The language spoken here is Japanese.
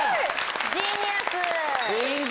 ジーニアス！